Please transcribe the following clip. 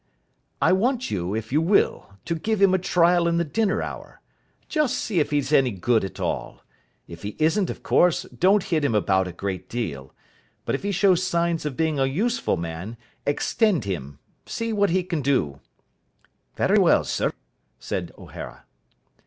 "I want you, if you will, to give him a trial in the dinner hour. Just see if he's any good at all. If he isn't, of course, don't hit him about a great deal. But if he shows signs of being a useful man, extend him. See what he can do." "Very well, sir," said O'Hara.